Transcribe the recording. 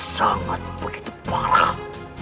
sangat begitu parah